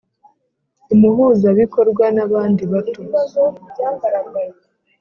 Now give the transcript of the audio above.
Umuhuzabikorwa nabandi bato